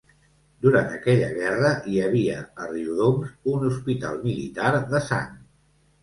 Durant aquella guerra hi havia a Riudoms un hospital militar de sang.